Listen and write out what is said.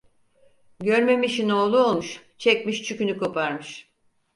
Görmemişin oğlu olmuş, çekmiş çükünü koparmış.